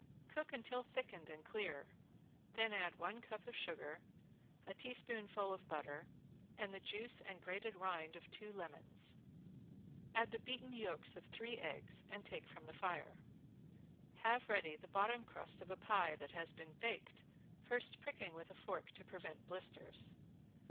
Cook until thickened and clear, then add one cup of sugar, a teaspoonful of butter, and the juice and grated rind of two lemons. Add the beaten yolks of three eggs and take from the fire. Have ready the bottom crust of a pie that has been baked, first pricking with a fork to prevent blisters.